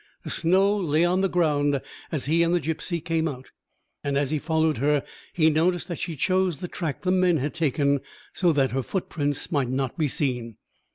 The snow lay on the ground as he and the gipsy came out, and as he followed her he noticed that she chose the track the men had taken, so that her footprints might not be seen.